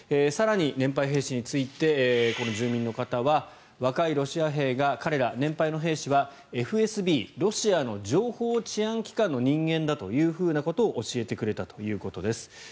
更に、年配兵士についてこの住民の方は若いロシア兵が彼ら、年配の兵士はＦＳＢ、ロシアの情報・治安機関の人間だということを教えてくれたということです。